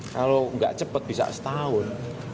kalau nggak cepat bisa setahun